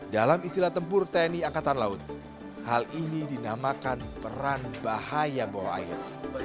dalam istilah tempur tni angkatan laut hal ini dinamakan peran bahaya bawah air